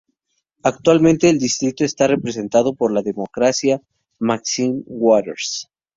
Actualmente el distrito está representado por la Demócrata Maxine Waters.